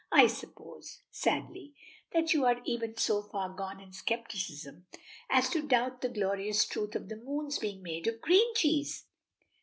I suppose," sadly, "that you are even so far gone in scepticism as to doubt the glorious truth of the moon's being made of green cheese?"